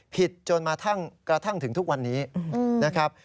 จนมากระทั่งถึงทุกวันนี้นะครับ